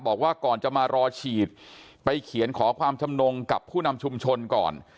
บอกว่าก่อนจะมารอฉีดไปเขียนขอความชำนงกับผู้นำชุมชนก่อน